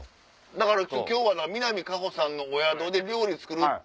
だから今日は南果歩さんのお宿で料理作るって。